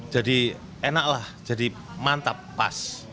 jadi enaklah jadi mantap pas